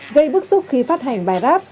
gây bức xúc khi phát hành bài rap